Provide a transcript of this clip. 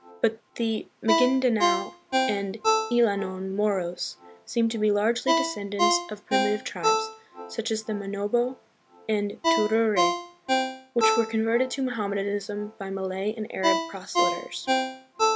But the Ma gindanao and Illanon Moros seem to be largely descendants of primitive tribes, such as the Manobo and Tiruray, who were converted to Mohammedanism by Malay and Arab proselyters.